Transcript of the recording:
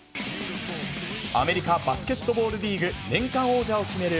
アメリカバスケットボールリーグ年間王者を決める